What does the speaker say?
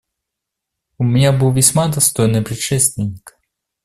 У меня был весьма достойный предшественник.